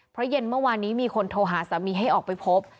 เพราะเย็นเมื่อวานนี้มีคนโทรหาสามีให้ออกไปพบ